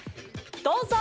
どうぞ！